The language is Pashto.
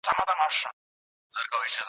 ښوونکي د پوهې په اهمیت پوهیږي.